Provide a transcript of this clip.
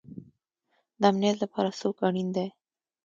د امنیت لپاره څوک اړین دی؟